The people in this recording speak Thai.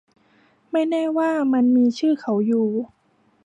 ไม่แน่ว่ามันมีชื่อเขาอยู่